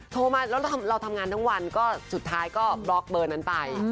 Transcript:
โทรมาแล้วเราทำงานทั้งวันก็สุดท้ายก็บล็อกเบอร์นั้นไป